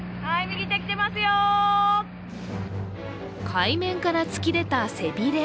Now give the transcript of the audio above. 海面から突き出た背びれ